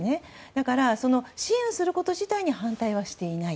だから、支援すること自体に反対はしていない。